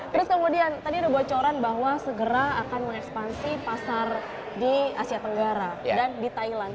terus kemudian tadi ada bocoran bahwa segera akan mengekspansi pasar di asia tenggara dan di thailand